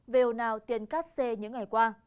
về hồ nào tiền cắt xe những ngày qua